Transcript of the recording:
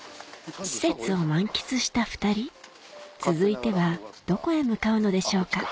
施設を満喫した２人続いてはどこへ向かうのでしょうか？